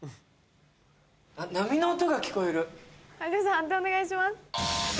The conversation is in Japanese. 判定お願いします。